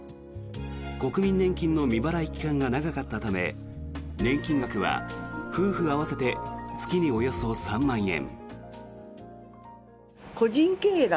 国民年金の未払い期間が長かったため年金額は夫婦合わせて月におよそ３万円。